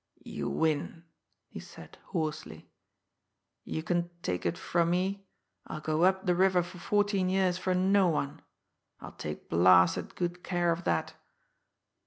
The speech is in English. "You win," he said hoarsely. "You can take it from me, I'll go up the river for fourteen years for no one I'll take blasted good care of that!